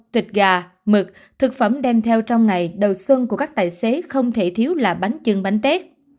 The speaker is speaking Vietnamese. thịt gà mực thực phẩm đem theo trong ngày đầu xuân của các tài xế không thể thiếu là bánh chưng bánh tết